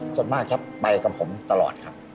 ส่วนมากครับไปกับผมตลอดครับ